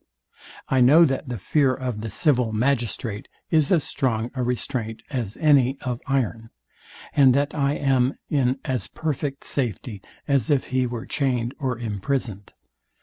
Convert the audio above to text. I know that the fear of the civil magistrate is as strong a restraint as any of iron, and that I am in as perfect safety as if he were chained or imprisoned.